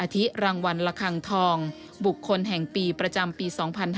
ที่รางวัลละคังทองบุคคลแห่งปีประจำปี๒๕๕๙